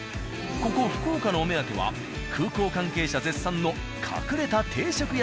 ここ福岡のお目当ては空港関係者絶賛の隠れた定食屋さん。